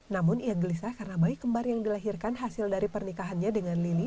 namun ia gelisah karena bayi kembar yang dilahirkan hasil dari pernikahannya dengan lili